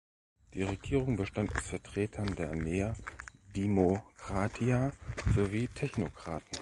Die Regierung bestand aus Vertretern der Nea Dimokratia sowie Technokraten.